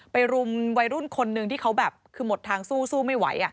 รุมวัยรุ่นคนหนึ่งที่เขาแบบคือหมดทางสู้ไม่ไหว